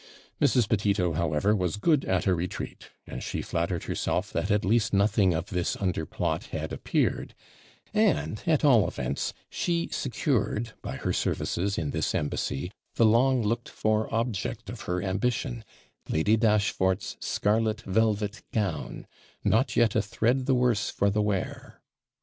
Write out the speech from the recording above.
Mrs. Petito, however, was good at a retreat; and she flattered herself that at least nothing of this underplot had appeared; and at all events she secured by her services in this embassy, the long looked for object of her ambition, Lady Dashfort's scarlet velvet gown 'not yet a thread the worse for the wear!'